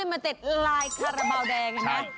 ๑๒๕รุ่นลิมิเต็ดลายการระบาวแดงนะครับ